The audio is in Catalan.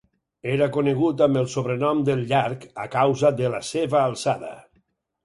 Era conegut amb el sobrenom del llarg, a causa de la seva alçada.